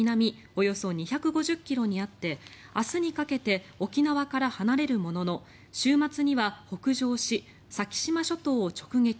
およそ２５０ｋｍにあって明日にかけて沖縄から離れるものの週末には北上し先島諸島を直撃。